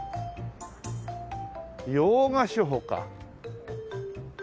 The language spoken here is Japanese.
洋菓子舗か。